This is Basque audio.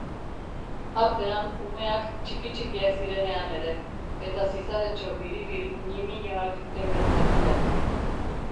Artean umeak txiki-txikiak zirenean ere, eta zizaretxo biribil ñimiñoak euren zakilak.